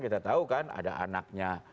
kita tahu kan ada anaknya